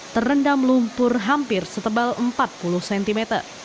terendam lumpur hampir setebal empat puluh cm